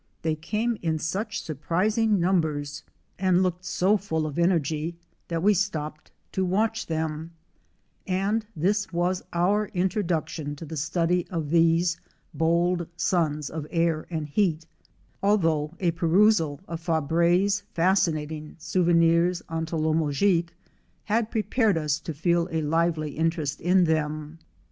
They came in such surprising numbers and looked so i WASPS, SOCIAL AND SOLITARY full of energy that we stopped to watch them, and this was our introduction to the study of these "bold sons of air and heat," although a perusal of Fabre's fascinating "Souvenirs Entomologiques " had prepared us to feel a lively interest in them.